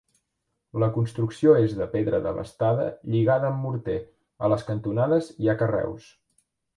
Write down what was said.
La construcció és de pedra desbastada lligada amb morter, a les cantonades hi ha carreus.